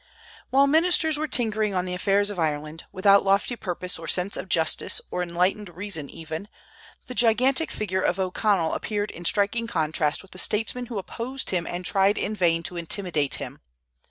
While ministers were tinkering on the affairs of Ireland, without lofty purpose or sense of justice or enlightened reason even, the gigantic figure of O'Connell appeared in striking contrast with the statesmen who opposed him and tried in vain to intimidate him.